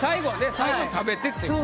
最後食べてって。